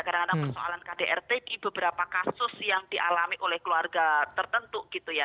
karena ada persoalan kdrt di beberapa kasus yang dialami oleh keluarga tertentu